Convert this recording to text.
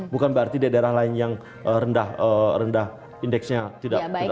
bukan berarti daerah lain yang rendah rendah indeksnya tidak tinggi